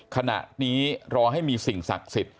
ขณะนี้รอให้มีสิ่งศักดิ์สิทธิ